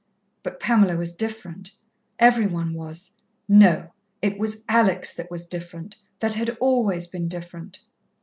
But Pamela was different. Every one was No! It was Alex that was different that had always been different.